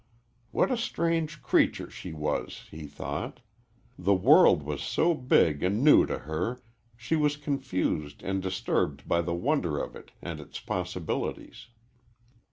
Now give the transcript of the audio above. What a strange creature she was, he thought. The world was so big and new to her, she was confused and disturbed by the wonder of it and its possibilities.